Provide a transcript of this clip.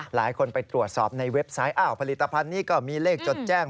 หลายคนไปตรวจสอบในเว็บไซต์อ้าวผลิตภัณฑ์นี้ก็มีเลขจดแจ้ง